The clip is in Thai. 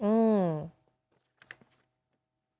อืม